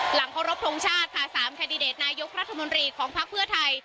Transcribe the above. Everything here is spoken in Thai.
หลังเคารพทงชาติค่ะ๓แคนดิเดตนายกรัฐมนตรีของภักดิ์เพื่อไทย